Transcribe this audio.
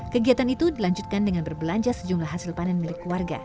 kegiatan itu dilanjutkan dengan berbelanja sejumlah hasil panen milik warga